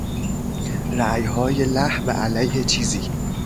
رایهای له و علیه چیزی